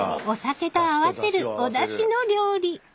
［お酒と合わせるおだしの料理］